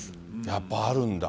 やっぱあるんだ。